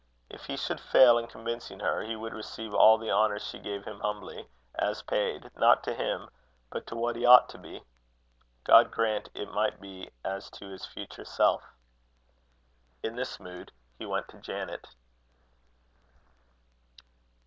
If he should fail in convincing her, he would receive all the honour she gave him humbly, as paid, not to him, but to what he ought to be. God grant it might be as to his future self! In this mood he went to Janet.